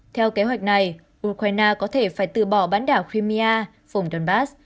theo kế hoạch này ukraine có thể phải từ bỏ bán đảo crimea phủng donbass